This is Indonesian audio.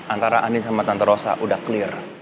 antara andi sama tante rosa udah clear